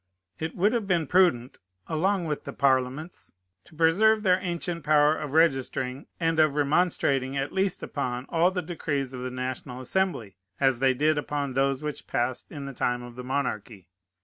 It would have been prudent, along with the parliaments, to preserve their ancient power of registering, and of remonstrating at least upon, all the decrees of the National Assembly, as they did upon those which passed in the time of the monarchy.